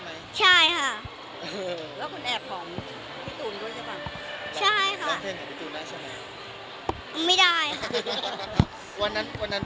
เรียกว่าวิ่งจับมือกับพี่ตูนด้วยเนาะมีเรื่องไรบ้าง